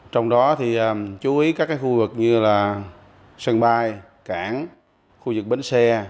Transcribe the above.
trong đó thì chú ý các khu vực như là sân bay cảng khu vực bến xe